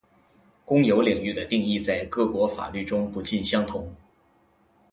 公有领域的定义在各国法律中不尽相同